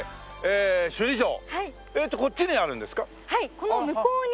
この向こうに。